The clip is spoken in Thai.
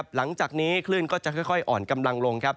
หลังจากนี้คลื่นก็จะค่อยอ่อนกำลังลงครับ